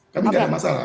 kami tidak ada masalah